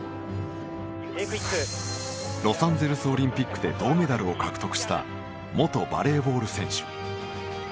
ロサンゼルスオリンピックで銅メダルを獲得した元バレーボール選手。